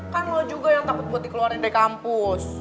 kan lo juga yang takut buat dikeluarin dari kampus